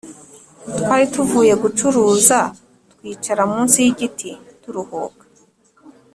Twari tuvuye gucuruza twicara munsi y’igiti turuhuka.